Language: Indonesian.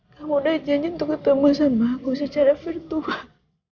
kamu udah janji untuk ketemu sama aku secara virtual